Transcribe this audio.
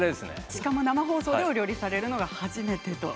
しかも生放送でお料理されるのが初めてと。